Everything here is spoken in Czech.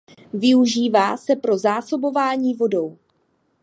Využívá se pro zásobování vodou.